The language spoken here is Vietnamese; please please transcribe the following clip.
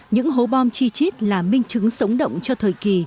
những hố bom chi chít là minh chứng sống động cho thời kỳ